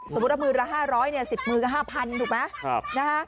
สมมติละ๕๐๐บาท๑๐มือละ๕๐๐๐บาท